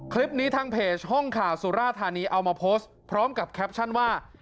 คลิปนี้ทางเพจห้องข่าวสุราธานีเอามาโพสต์พร้อมกับแคปชั่นว่า